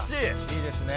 いいですね。